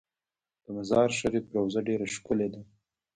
د مزار شریف روضه ډیره ښکلې ده